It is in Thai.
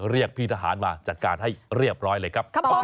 เรียกพี่ทหารมาจัดการให้เรียบร้อยเลยครับ